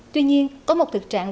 tuy nhiên có một thực trạng